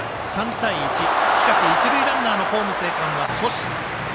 しかし、一塁ランナーのホーム生還は阻止。